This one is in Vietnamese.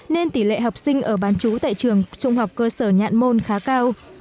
nên tỷ lệ học sinh ở bán chú tại trường trung học cơ sở nhạn môn khá cao